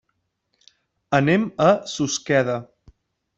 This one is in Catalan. Anem a Susqueda.